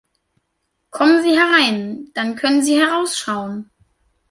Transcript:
Kommen Sie herein, dann können Sie heraus schauen.